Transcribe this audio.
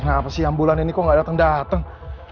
kenapa sih ambulan ini kok gak dateng dateng